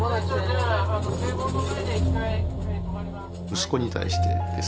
息子に対してです。